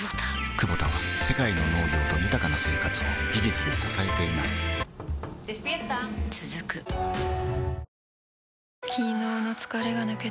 クボタは世界の農業と豊かな生活を技術で支えています起きて。